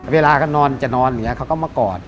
เวลาเขานอนจะนอนเขาก็มากอด